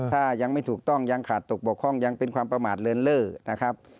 ถ้ายังไม่ถูกต้องยังขาดตกบกพร่องยังเป็นความประมาทเลินเล่อนะครับ